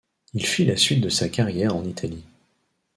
Il fit la suite de sa carrière en Italie.